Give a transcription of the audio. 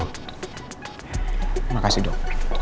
terima kasih dok